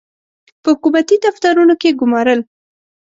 په حکومتي دفترونو کې ګومارل.